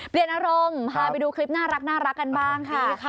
เปลี่ยนอารมณ์พาไปดูคลิปน่ารักกันบ้างค่ะ